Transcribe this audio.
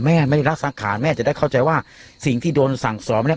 แม่ไม่ได้รักสังขารแม่จะได้เข้าใจว่าสิ่งที่โดนสั่งสอนเนี่ย